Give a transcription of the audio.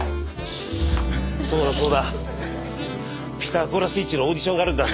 そうだそうだ「ピタゴラスイッチ」のオーディションがあるんだ。